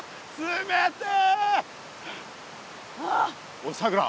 おいさくら。